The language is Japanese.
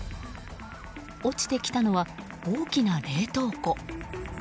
落ちてきたのは、大きな冷凍庫。